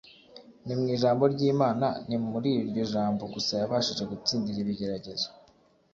Ni mu ijambo ry’Imana. Ni mur’iryo jambo gusa yabashije gutsindira ibigeragezo.